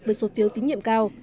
với số phiếu tín nhiệm cao